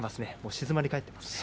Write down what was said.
静まり返っていますね。